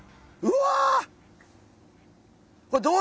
うわ！